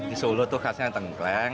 di solo itu khasnya tengkleng